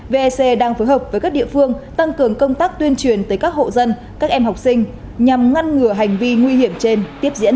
vec đang phối hợp với các địa phương tăng cường công tác tuyên truyền tới các hộ dân các em học sinh nhằm ngăn ngừa hành vi nguy hiểm trên tiếp diễn